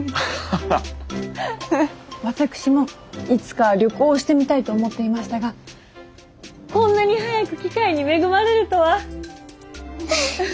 私もいつかは旅行をしてみたいと思っていましたがこんなに早く機会に恵まれるとは。